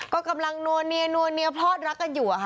ก็กำลังนัวเนียพลอดรักกันอยู่อะค่ะ